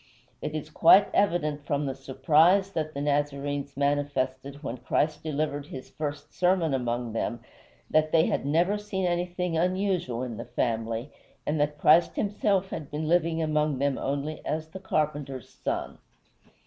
It is quite evident from the surprise that the Nazarenes manifested when Christ delivered his first sermon among them that they had never seen anything unusual in the family, and that Christ himself had been living among them only as the carpenter's son.